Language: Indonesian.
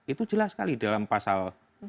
itu jelas sekali dalam pasal